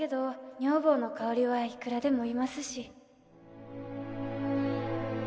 女房の代わりはいくらでもいますし